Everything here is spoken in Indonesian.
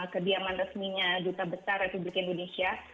kediaman resminya duta besar republik indonesia